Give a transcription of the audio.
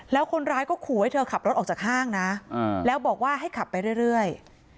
แล้วคนร้ายก็ขู่ให้เธอขับรถออกจากห้างนะแล้วบอกว่าให้ขับไปเรื่อย